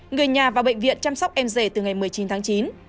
người nhà vào bệnh viện chăm sóc em rể từ ngày một mươi chín tháng chín